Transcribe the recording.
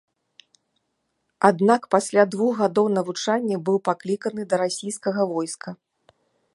Аднак пасля двух гадоў навучання быў пакліканы да расійскага войска.